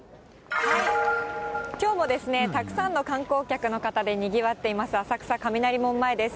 きょうもたくさんの観光客の方でにぎわっています、浅草雷門前です。